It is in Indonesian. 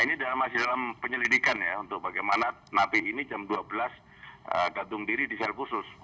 ini masih dalam penyelidikan ya untuk bagaimana napi ini jam dua belas gantung diri di sel khusus